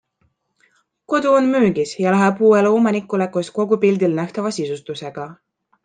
Kodu on müügis ja läheb uuele omanikule koos kogu pildil nähtava sisustusega.